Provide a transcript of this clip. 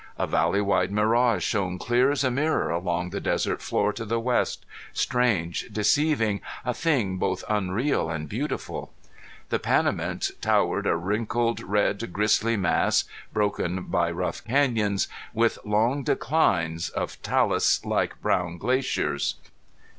A valley wide mirage shone clear as a mirror along the desert floor to the west, strange, deceiving, a thing both unreal and beautiful. The Panamints towered a wrinkled red grisly mass, broken by rough canyons, with long declines of talus like brown glaciers.